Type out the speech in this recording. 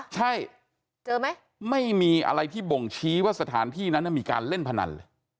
ใช่เจอไหมไม่มีอะไรที่บ่งชี้ว่าสถานที่นั้นมีการเล่นพนันเลย